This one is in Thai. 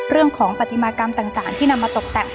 เรื่องของปฏิมากรรมต่างที่นำมาตกแต่ง